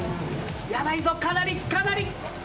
ヤバいぞかなりかなり！